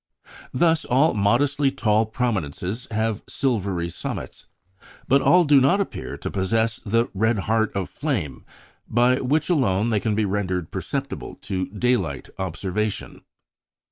Thus all modestly tall prominences have silvery summits; but all do not appear to possess the "red heart of flame," by which alone they can be rendered perceptible to daylight observation.